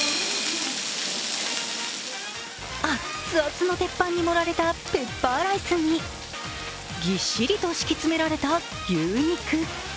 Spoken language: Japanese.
あっつあつの鉄板に盛られたペッパーライスにぎっしりと敷き詰められた牛肉。